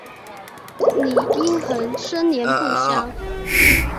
李殷衡生年不详。